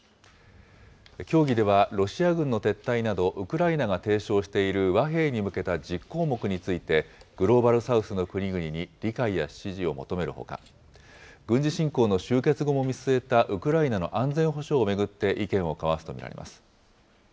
協議ではロシア軍の撤退など、ウクライナが提唱している和平に向けた１０項目について、グローバル・サウスの国々に理解や支持を求めるほか、軍事侵攻の終結後も見据えたウクライナの安全保障を巡って意見を交わすと見られます。